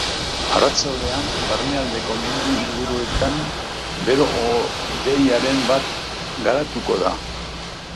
Arratsaldean barnealdeko mendi inguruetan bero-hodeiren bat garatuko da.